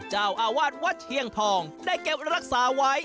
เจ้าอาวาสวัดเชียงทองได้เก็บรักษาไว้